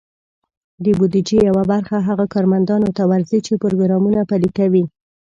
د بودیجې یوه برخه هغه کارمندانو ته ورځي، چې پروګرامونه پلي کوي.